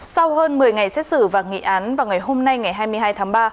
sau hơn một mươi ngày xét xử và nghị án vào ngày hôm nay ngày hai mươi hai tháng ba